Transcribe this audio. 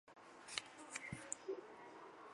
三或五枚雌蕊组成一个子房。